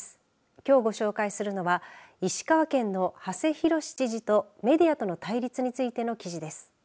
きょうご紹介するのは石川県の馳浩知事とメディアとの対立についての記事です。